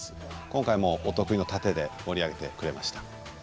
今回もお得意の殺陣で盛り上げてくれました。